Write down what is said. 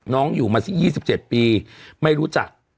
น้องอยู่มาสิบยี่สิบเจ็ดปีไม่รู้จัก